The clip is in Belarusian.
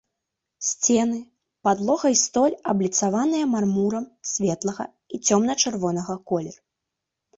Сцены, падлога і столь абліцаваныя мармурам светлага і цёмна-чырвонага колеру.